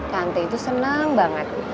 tante itu seneng banget